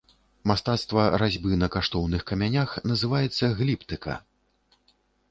Мастацтва разьбы на каштоўных камянях называецца гліптыка.